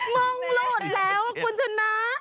มองโหลดแล้วคุณชนะ